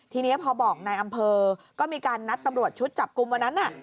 ทีนี้พอบอกนายอำเภอก็มีการนัดตำรวจชุดจับกลุ่มวันนั้น